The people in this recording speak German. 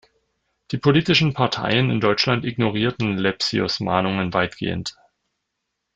Die politischen Parteien in Deutschland ignorierten Lepsius’ Mahnungen weitgehend.